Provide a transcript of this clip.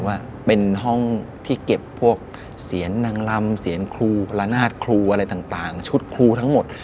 ว่าเป็นห้องที่เก็บพวกเสียงนางลำเสียงครูละนาดครูอะไรต่างชุดครูทั้งหมด